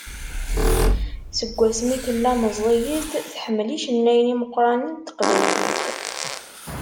Seg wasmi tella meẓẓiyet, tḥemmel icennayen imeqqranen n teqbaylit.